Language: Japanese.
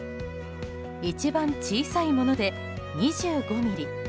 一番小さいもので２５ｍｍ。